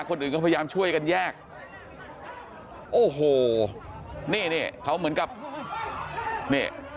คนอื่นก็พยายามช่วยกันแยกโอ้โหนี่นี่เขาเหมือนกับนี่